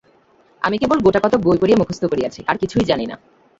আমি কেবল গোটাকতক বই পড়িয়া মুখস্থ করিয়াছি, আর কিছুই জানি না।